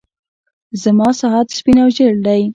زما ساعت سپين او ژړ دی.